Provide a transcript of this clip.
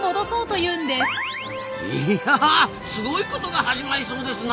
いやすごいことが始まりそうですな。